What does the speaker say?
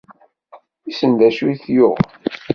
Wissen d acu i t-yuɣen?